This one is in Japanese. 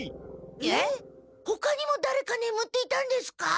えっ？ほかにもだれかねむっていたんですか？